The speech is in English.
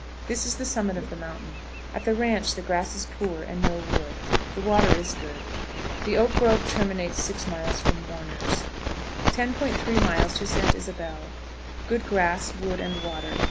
This is the summit of the mountain. At the Ranch the grass is poor, and no wood. The water is good. The oak grove terminates six miles from Warner's. 10.30. Santa Isabel. Good grass, wood, and water.